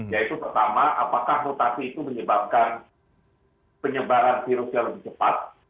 yaitu pertama apakah mutasi itu menyebabkan penyebaran virusnya lebih cepat